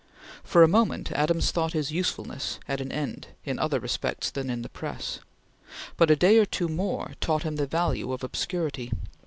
For a moment Adams thought his "usefulness" at an end in other respects than in the press, but a day or two more taught him the value of obscurity.